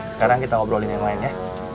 sekarang kita ngobrolin yang lain ya